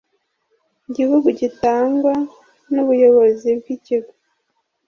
gihugu gitangwa n ubuyobozi bw ikigo